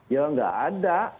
ya nggak ada